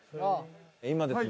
今ですね